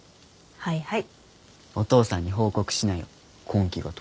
はいはい。